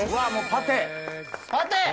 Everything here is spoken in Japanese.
パテ！